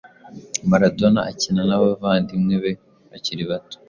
Maradona akina n'abavandimwe be bakiri bato